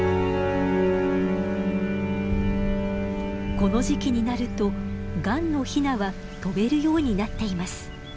この時期になるとガンのヒナは飛べるようになっています。